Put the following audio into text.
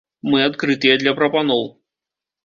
Мы адкрытыя для прапаноў.